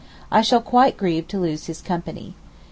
I shall quite grieve to lose his company.